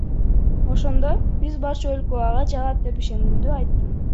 Ошондо, биз барчу өлкө ага жагат деп ишенимдүү айттым.